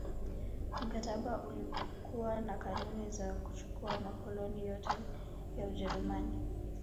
Mkataba ulikuwa na kanuni za kuchukua makoloni yote ya Ujerumani